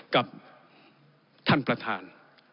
กับท่านประธาน